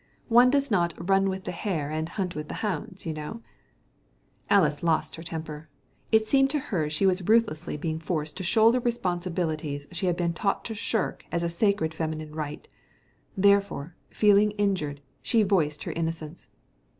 One does not 'run with the hare and hunt with the hounds,' you know." Alys lost her temper. It seemed to her she was ruthlessly being forced to shoulder responsibilities she had been taught to shirk as a sacred feminine right. Therefore, feeling injured, she voiced her innocence.